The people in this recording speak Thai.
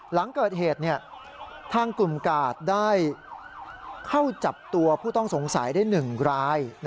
หลังเกิดเหตุทางกลุ่มกาดได้เข้าจับตัวผู้ต้องสงสัยได้๑ราย